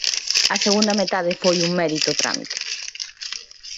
A segunda metade foi un mérito trámite.